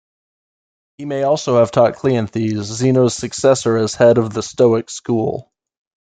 He may also have taught Cleanthes, Zeno's successor as head of the Stoic school.